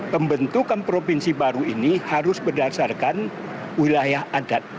pembentukan provinsi baru ini harus berdasarkan wilayah adat